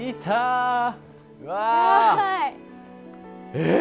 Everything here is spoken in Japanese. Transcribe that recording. えっ？